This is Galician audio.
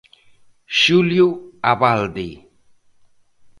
Xulio Abalde.